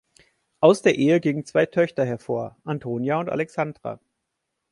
Aus der Ehe gingen zwei Töchter hervor, Antonia und Alexandra.